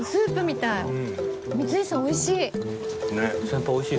光石さんおいしい。